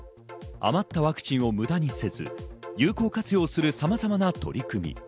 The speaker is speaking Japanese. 余ったワクチンを無駄にせず、有効活用するさまざまな取り組み。